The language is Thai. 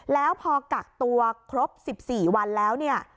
แล้วพอกักตัวครบ๑๔วันแล้วเนี่ย